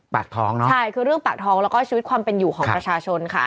ปากท้องเนอะใช่คือเรื่องปากท้องแล้วก็ชีวิตความเป็นอยู่ของประชาชนค่ะ